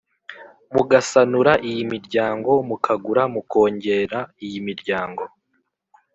mugasanura iyi miryango: mukagura, mukongera iyi miryango